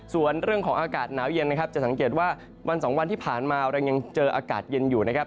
ส่วนเรื่องของอากาศหนาวเย็นนะครับจะสังเกตว่าวันสองวันที่ผ่านมาเรายังเจออากาศเย็นอยู่นะครับ